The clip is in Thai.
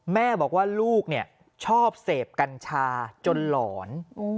แม่บอกว่าลูกชอบเสพกัญชาจนหลอน